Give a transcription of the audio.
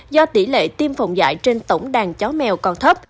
do tỷ lệ tiêm phòng dạy trên tổng đàn chó mèo còn thấp